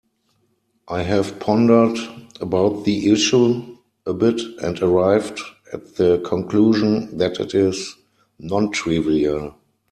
I have pondered about the issue a bit and arrived at the conclusion that it is non-trivial.